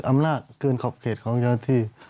อำนาจเกินขอบเขตของจนาที